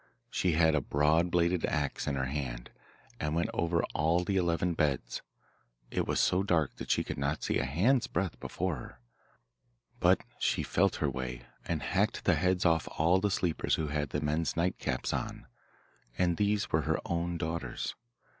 She had a broad bladed axe in her hand, and went over all the eleven beds. It was so dark that she could not see a hand's breadth before her, but she felt her way, and hacked the heads off all the sleepers who had the men's night caps on and these were her own daughters.